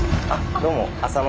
どうも。